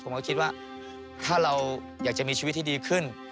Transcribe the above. ผมก็คิดว่าถ้าเราอยากจะมีชีวิตที่ดีขึ้น